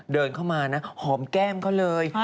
เดินเข้ามานะหอมแก้มเขาเลย